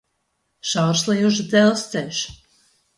Šaursliežu dzelzceļš